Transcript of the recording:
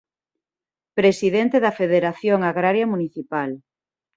Presidente da Federación Agraria Municipal.